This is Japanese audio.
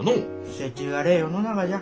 せちがれえ世の中じゃ。